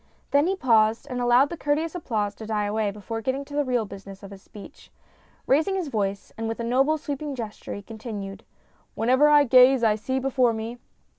Then he paused and allowed the courteous applause to die away before getting to the real business of his speech. Raising his voice, and with a noble, sweeping gesture, he continued :" Wherever I gaze I see before me.